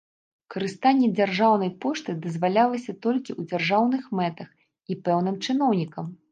Карыстанне дзяржаўнай поштай дазвалялася толькі ў дзяржаўных мэтах і пэўным чыноўнікам.